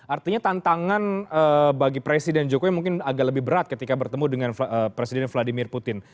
artinya tantangan bagi presiden jokowi mungkin agak lebih berat ketika bertemu dengan presiden vladimir putin